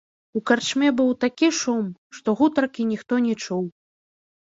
У карчме быў такі шум, што гутаркі ніхто не чуў.